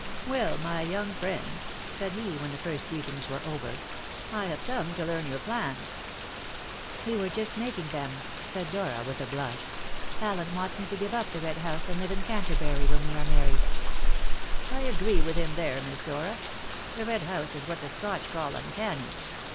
"Well, my young friends," said he, when the first greetings were over, "I have come to learn your plans." "We were just making them," said Dora with a blush. "Allen wants me to give up the Red House and live in Canterbury when we are married." "I agree with him there, Miss Dora. The Red House is what the Scotch call uncanny.